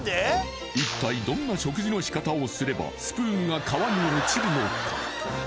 一体どんな食事の仕方をすればスプーンが川に落ちるのか？